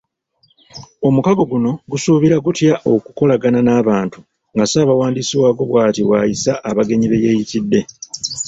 Omukago guno gusuubira gutya okukolagana n'abantu nga Ssabawandiisi waagwo bwati bwayisa abagenyi beyeeyitidde.